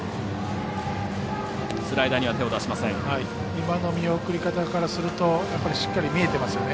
今の見送り方からするとしっかり見えてますよね。